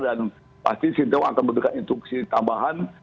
dan pasti singapura akan mendapat instruksi tambahan